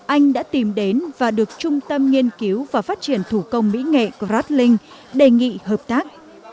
anh đã tìm đến và được trung tâm nghiên cứu và phát triển thủ công mỹ nghệ grablink đề nghị hợp tác